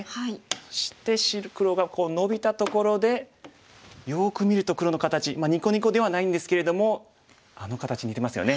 そして黒がノビたところでよく見ると黒の形２個２個ではないんですけれどもあの形似てますよね。